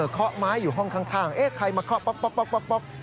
เคาะไม้อยู่ห้องข้างเอ๊ะใครมาเคาะป๊อก